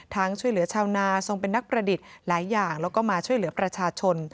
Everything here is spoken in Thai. ช่วยเหลือชาวนาทรงเป็นนักประดิษฐ์หลายอย่างแล้วก็มาช่วยเหลือประชาชน